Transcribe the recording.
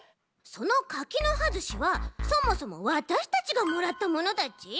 その柿の葉ずしはそもそもわたしたちがもらったものだち。